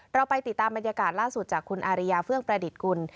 เราไปติดตามบรรยากาศล่าสุดจากคุณอาริยาเฟื่องประดิษฐ์กุล